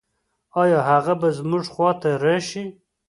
آيا هغه به زموږ خواته راشي؟